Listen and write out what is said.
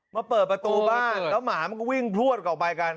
เปิดประตูบ้านแล้วหมามันก็วิ่งพลวดออกไปกัน